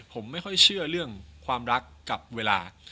ผมไม่ค่อยเชื่อเรื่องความรักกับเวลา